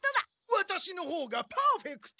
ワタシのほうがパーフェクト！